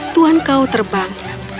tuhan kau terbang